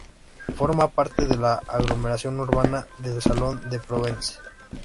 Forma parte de la aglomeración urbana de Salon-de-Provence.